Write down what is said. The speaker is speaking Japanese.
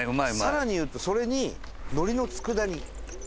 更に言うとそれに海苔の佃煮。